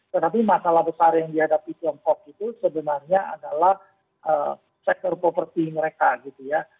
tetapi masalah besar yang dihadapi tiongkok itu sebenarnya adalah sektor properti mereka gitu ya